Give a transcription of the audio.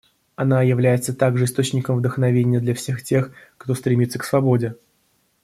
Она является также источником вдохновения для всех тех, кто стремится к свободе.